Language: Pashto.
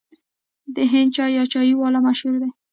د هند چای یا چای والا مشهور دی.